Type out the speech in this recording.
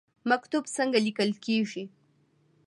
مکتوب څنګه لیکل کیږي؟